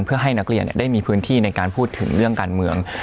เพื่อให้นักเรียนได้มีพื้นที่ในการพูดถึงเรื่องการเมือง